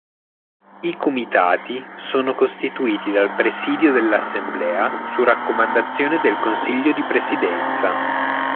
I comitati sono costituiti dal Presidio dell'Assemblea su raccomandazione del Consiglio di presidenza.